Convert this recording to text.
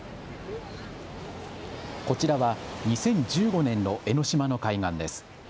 こちらは２０１５年の江ノ島の海岸です。